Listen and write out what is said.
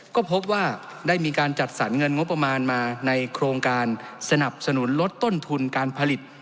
ก็พบว่าได้มีการจัดสรรเงินงบประมาณมาในโครงการสนับสนุนลดต้นทุนการผลิต